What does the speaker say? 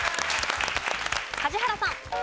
梶原さん。